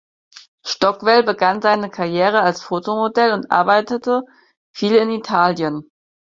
Stockwell begann seine Karriere als Fotomodell und arbeitete viel in Italien.